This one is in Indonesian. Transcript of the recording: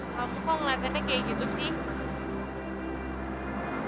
kamu kok ngeliatnya kayak gitu sih